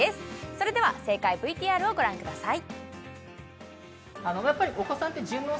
それでは正解ＶＴＲをご覧ください